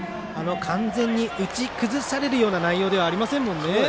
完全に打ち崩されるような内容ではありませんもんね。